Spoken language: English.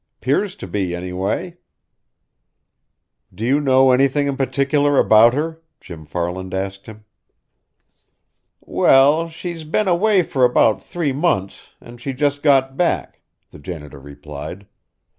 'Pears to be, anyway." "Do you know anything in particular about her?" Jim Farland asked him. "Well, she's been away for about three months, and she just got back," the janitor replied.